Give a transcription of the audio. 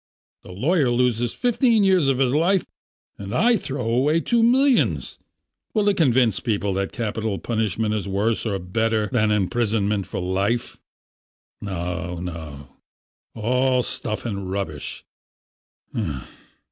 The lawyer loses fifteen years of his life and I throw away two millions. Will it convince people that capital punishment is worse or better than imprisonment for life? No, no! all stuff and rubbish.